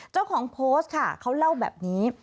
เจ้าของโพสต์ค่ะเขาเล่าแบบนี้